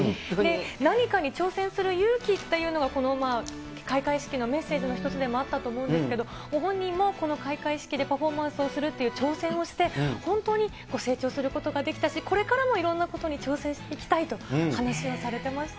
何かに挑戦する勇気っていうのが、この開会式のメッセージの一つでもあったと思うんですけど、ご本人もこの開会式でパフォーマンスをするっていう挑戦をして、本当に成長することができたし、これからもいろんなことに挑戦していきたいと話をされてました。